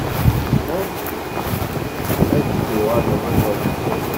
Ɣuṛ-k ad tuɣaleḍ awal-a.